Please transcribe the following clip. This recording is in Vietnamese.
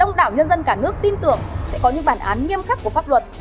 đông đảo nhân dân cả nước tin tưởng sẽ có những bản án nghiêm khắc của pháp luật